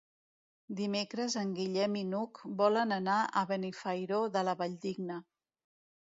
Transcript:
Dimecres en Guillem i n'Hug volen anar a Benifairó de la Valldigna.